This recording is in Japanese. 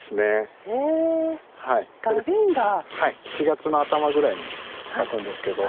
７月の頭ぐらいに咲くんですけど。